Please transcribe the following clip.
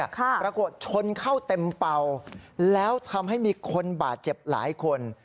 ปรากฏชนเข้าเต็มเป่าแล้วทำให้มีคนบาดเจ็บหลายคน